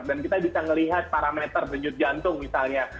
dan kita bisa melihat parameter bejut jantung misalnya